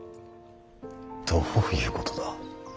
どういうことだ。